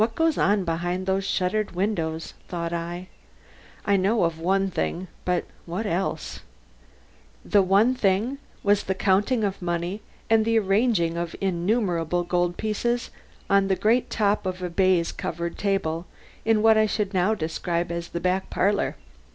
"What goes on behind those shuttered windows?" thought I. "I know of one thing, but what else?" The one thing was the counting of money and the arranging of innumerable gold pieces on the great top of a baize covered table in what I should now describe as the back parlor.